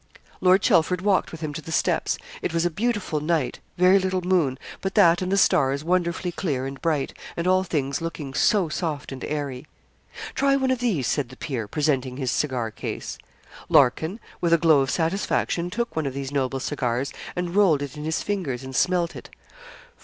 Lord Chelford walked with him to the steps. It was a beautiful night very little moon, but that and the stars wonderfully clear and bright, and all things looking so soft and airy. 'Try one of these,' said the peer, presenting his cigar case. Larkin, with a glow of satisfaction, took one of these noble cigars, and rolled it in his fingers, and smelt it.